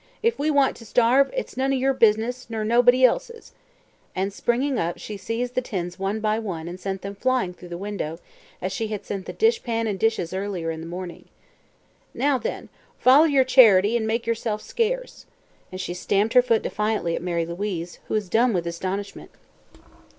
"If we want to starve, it's none o' yer business, ner nobody else's," and springing up she seized the tins one by one and sent them flying through the window, as she had sent the dishpan and dishes earlier in the morning. "Now, then, foller yer charity an' make yerself scarce!" and she stamped her foot defiantly at Mary Louise, who was dumb with astonishment.